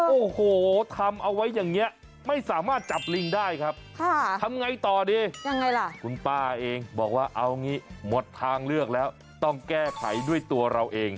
โอ้โหทำเอาไว้อย่างนี้ไม่สามารถจับลิงได้ครับทำไงต่อดียังไงล่ะคุณป้าเองบอกว่าเอางี้หมดทางเลือกแล้วต้องแก้ไขด้วยตัวเราเอง